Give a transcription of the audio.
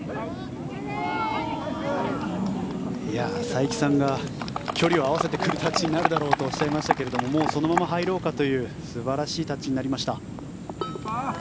佐伯さんが距離を合わせてくるタッチになるだろうとおっしゃいましたけれどそのまま入ろうかという素晴らしいタッチになりました。